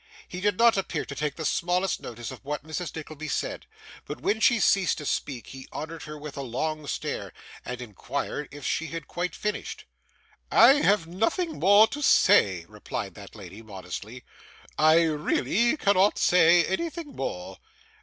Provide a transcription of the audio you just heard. He did not appear to take the smallest notice of what Mrs. Nickleby said, but when she ceased to speak he honoured her with a long stare, and inquired if she had quite finished. 'I have nothing more to say,' replied that lady modestly. 'I really cannot say anything more.